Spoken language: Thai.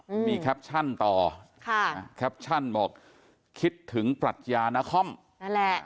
อืมมีแคปชั่นต่อค่ะอ่าแคปชั่นบอกคิดถึงปรัชญานครนั่นแหละ